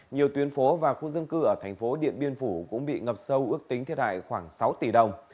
nhiều tuyến phố và khu dân cư ở thành phố điện biên phủ cũng bị ngập sâu ước tính thiệt hại khoảng sáu tỷ đồng